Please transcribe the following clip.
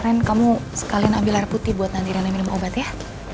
kan kamu sekalian ambil air putih buat nandirannya minum obat ya